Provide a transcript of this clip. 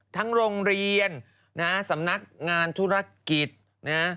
ทั้งโรงเรียนสำนักงานธุรกิจ